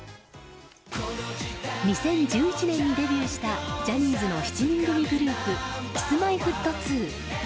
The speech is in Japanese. ２０１１年にデビューしたジャニーズの７人組グループＫｉｓ‐Ｍｙ‐Ｆｔ２。